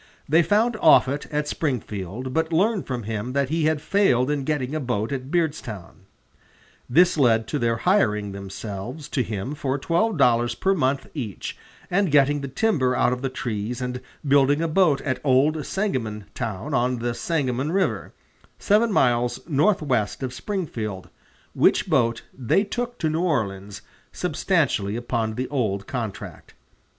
They found Offutt at Springfield, but learned from him that he had failed in getting a boat at Beardstown. This led to their hiring themselves to him for twelve dollars per month each, and getting the timber out of the trees and building a boat at Old Sangamon town on the Sangamon River, seven miles northwest of Springfield, which boat they took to New Orleans, substantially upon the old contract."